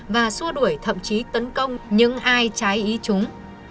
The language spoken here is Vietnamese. và xua đuổi thậm chí tấn công những ai trái ý chúng